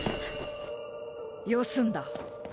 よすんだ。